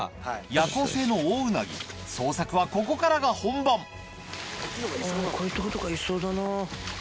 夜行性のオオウナギ捜索はここからが本番こういうとことかいそうだなぁ。